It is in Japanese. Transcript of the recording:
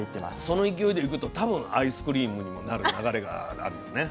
その勢いでいくとたぶんアイスクリームにもなる流れがあるよね。